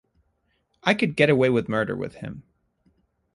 I could get away with murder with him.